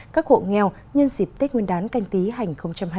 các hộ nghèo nhân dịp tết nguyên đán canh tí hành hai mươi